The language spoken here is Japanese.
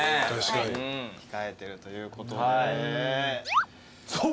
控えてるということで。